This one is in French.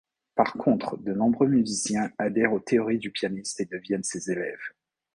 Par contre de nombreux musiciens adhèrent aux théories du pianiste et deviennent ses élèves.